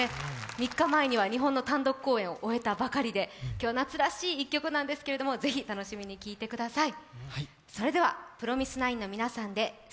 ３日前には日本の単独公演を終えたばかりで今日、夏らしい一曲なんですけどぜひ楽しみに聴いてください。